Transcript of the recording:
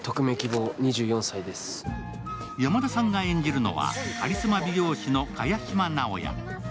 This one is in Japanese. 山田さんが演じるのはカリスマ美容師の萱島直哉。